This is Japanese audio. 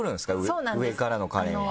上からのカレンは。